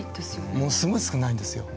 ものすごい少ないんですよ。